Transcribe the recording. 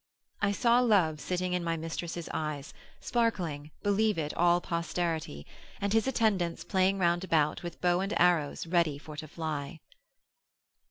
I saw Love sitting in my mistress' eyes Sparkling, believe it all posterity, And his attendants playing round about With bow and arrows ready for to fly.